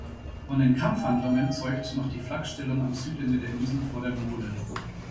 Von den Kampfhandlungen zeugt noch die Flakstellung am Südende der Insel vor der Mole.